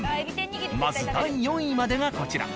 まず第４位までがこちら。